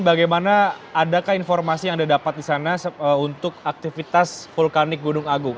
bagaimana adakah informasi yang anda dapat di sana untuk aktivitas vulkanik gunung agung